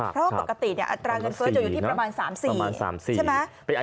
เพราะปกติอัตราเงินเฟ้อจะอยู่ที่ประมาณ๓๔ใช่ไหม